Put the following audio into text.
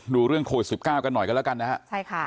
ดูเรื่องโคล๑๙กันหน่อยกันแล้วกันนะครับ